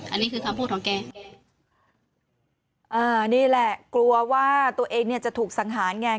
อันนี้คือคำพูดของแกอ่านี่แหละกลัวว่าตัวเองเนี่ยจะถูกสังหารไง